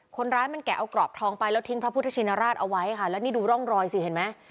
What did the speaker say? คนร้ายมันแกะเอากรอบทองไปแล้วทิ้งพระพุทธชินราชเอาไว้ค่ะแล้วนี่ดูร่องรอยสิเห็นไหม